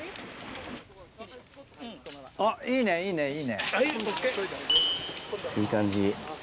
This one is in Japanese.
あっ、いいね、いいね、いい感じ。